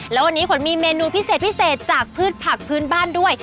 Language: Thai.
แล้ววันนี้ขนมีเมนูพิเศษจากผืนผักพื้นบ้านด้วย